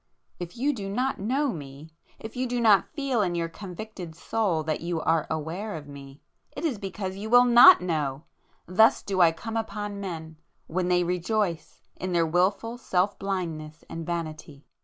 "If you do not know Me,—if you do not feel in your convicted soul that you are aware of Me,—it is because you will not know! Thus do I come upon men, when they rejoice in their wilful self blindness and vanity!